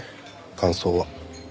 感想は。